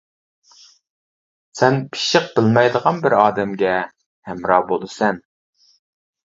سەن پىششىق بىلمەيدىغان بىر ئادەمگە ھەمراھ بولىسەن.